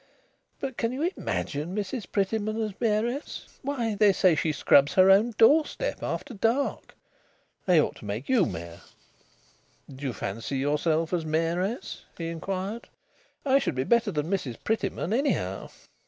"But can you imagine Mrs Prettyman as mayoress? Why, they say she scrubs her own doorstep after dark. They ought to make you mayor." "Do you fancy yourself as mayoress?" he inquired. "I should be better than Mrs Prettyman, anyhow."